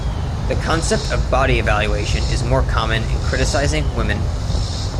The concept of body evaluation is more common in criticizing women.